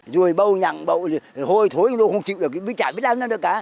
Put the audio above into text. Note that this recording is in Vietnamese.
rùi bâu nhặng bâu hôi thối không chịu được chả biết ăn ăn được cả